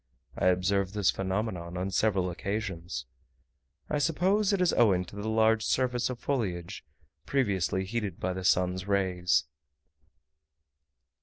I observed this phenomenon on several occasions. I suppose it is owing to the large surface of foliage, previously heated by the sun's rays.